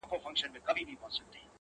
ده صرف دا هم لیکلی شوای